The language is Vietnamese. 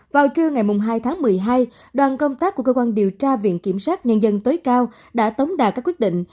vào trưa ngày hai tháng một mươi hai đoàn công tác của cơ quan điều tra viện kiểm sát nhân dân tối cao đã tống đà các quyết định